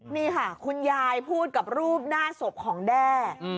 นี่ค่ะคุณยายพูดกับรูปหน้าศพของแด้